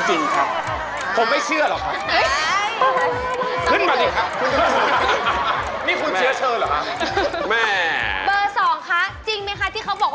อ๋อเหมือนไม่จริงครับ